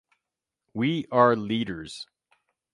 We are leaders.